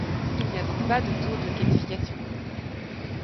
Il n'y a donc pas de tour de qualification.